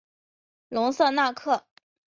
隆瑟纳克。